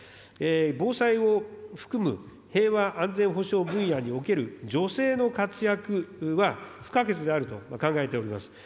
防災を含む平和安全保障分野における女性の活躍は、不可欠であると考えております。